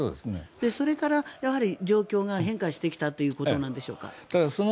それからやはり状況が変化してきたということなんでしょうか。